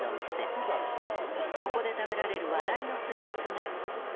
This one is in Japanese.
ここで食べられる話題のスイーツが